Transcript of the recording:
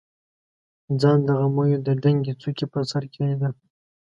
ځان د غمیو د دنګې څوکې په سر کې لیده.